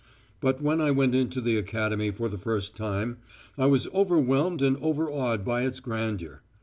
But when I went into the Academy for the first time I was overwhelmed and overawed by its grandeur.